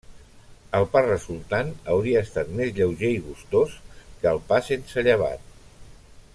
El pa resultant hauria estat més lleuger i gustós que el pa sense llevat.